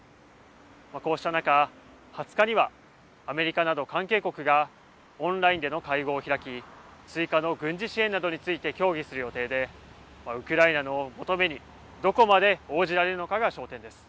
こうした中、２０日にはアメリカなど関係国がオンラインでの会合を開き追加の軍事支援などについて協議する予定でウクライナの求めに、どこまで応じられるのかが焦点です。